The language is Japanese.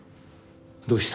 どうした？